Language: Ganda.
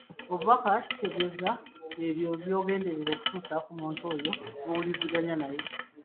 Obubaka kitegeeza ebyo byogenderera okutuusa ku muntu oyo gw'owuliziganya naye.